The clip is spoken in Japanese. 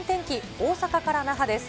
大阪から那覇です。